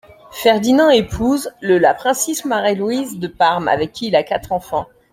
Ferdinand épouse, le la princesse Marie-Louise de Parme, avec qui il a quatre enfants.